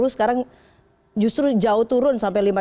sekarang justru jauh turun sampai lima sampai sepuluh